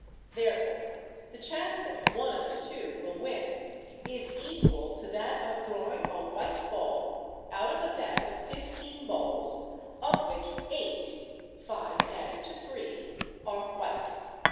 Therefore the chance that one of the two will win is equal to that of drawing a white ball out of a bag of fifteen balls of which eight (five added to three) are white.